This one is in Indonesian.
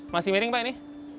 masih miring pak ini